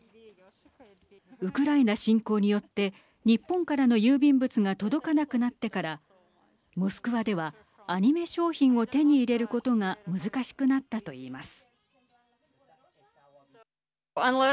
ウクライナ侵攻によって日本からの郵便物が届かなくなってからモスクワではアニメ商品を手に入れることが難しくなったと言います。